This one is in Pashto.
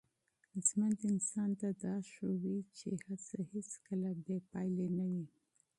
ژوند انسان ته دا ښيي چي هڅه هېڅکله بې پایلې نه وي.